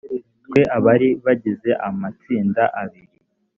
twe abari bagize amatsinda abiri